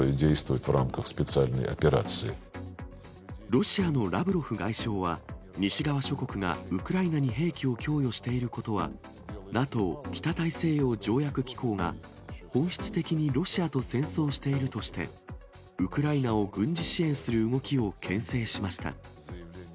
ロシアのラブロフ外相は、西側諸国がウクライナに兵器を供与していることは、ＮＡＴＯ・北大西洋条約機構が、本質的にロシアと戦争しているとして、ウクライナを軍事支援する動きをけん制しました。